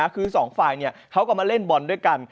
คือสองฝ่ายเขาก็มาเล่นบอลด้วยกัน